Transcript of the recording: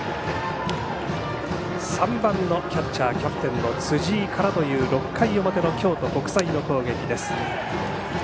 ３番のキャッチャーキャプテンの辻井からという６回表の京都国際の攻撃です。